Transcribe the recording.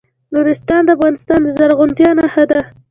نورستان د افغانستان د زرغونتیا نښه ده.